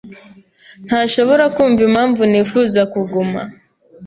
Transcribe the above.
ntashobora kumva impamvu nifuza kuguma.